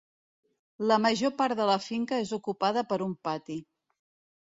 La major part de la finca és ocupada per un pati.